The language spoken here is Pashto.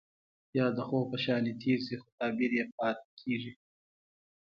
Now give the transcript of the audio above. يا د خوب په شانې تير شي خو تعبير يې پاتې کيږي.